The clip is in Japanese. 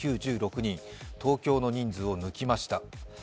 東京の人数を抜きました。